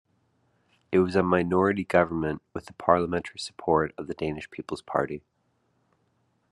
It was a minority government with the parliamentary support of the Danish People's Party.